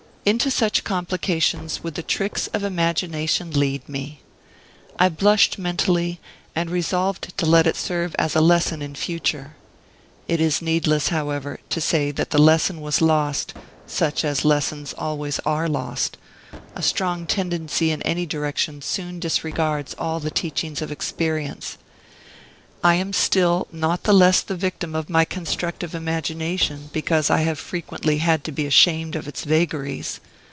Into such complications, would the tricks of imagination lead me! I blushed mentally, and resolved to let it serve as a lesson in future. It is needless, however, to say that the lesson was lost, as such lessons always are lost; a strong tendency in any direction soon disregards all the teachings of experience. I am still not the less the victim of my constructive imagination, because I have frequently had to be ashamed of its vagaries.